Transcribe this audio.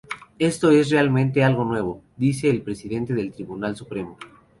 Esto es realmente algo nuevo", dice el presidente del Tribunal Supremo.